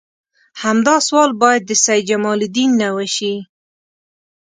همدا سوال باید د سید جمال الدین نه وشي.